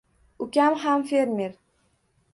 Ukam ham fermer.